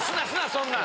そんなん。